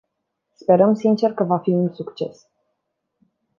Sperăm sincer că va fi un succes.